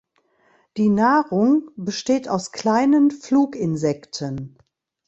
Die Nahrung besteht aus kleinen Fluginsekten.